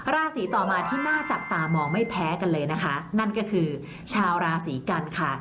ราศีต่อมาที่น่าจับตามองไม่แพ้กันเลยนะคะนั่นก็คือชาวราศีกันค่ะ